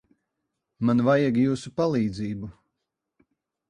Man vajag jūsu palīdzību.